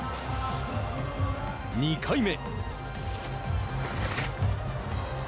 ２回目。